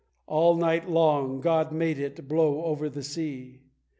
All night long God made it to blow over the sea.